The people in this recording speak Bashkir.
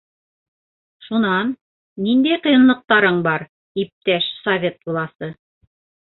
- Шунан, ниндәй ҡыйынлыҡтарың бар, иптәш Совет власы?